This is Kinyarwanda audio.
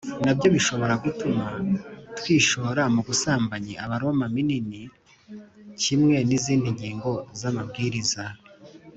na byo bishobora gutuma twishora mu busambanyi Abaroma minini kimwe n izindi ngingo z amabwiriza